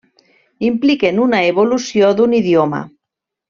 Impliquen una evolució d'un idioma.